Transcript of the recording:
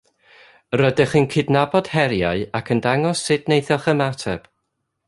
Rydych yn cydnabod heriau ac yn dangos sut wnaethoch ymateb